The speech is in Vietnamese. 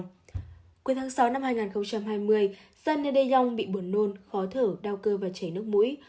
cuối tháng sáu năm hai nghìn hai mươi sunny de jong bị buồn nôn khó thở đau cơ và chảy nước mũi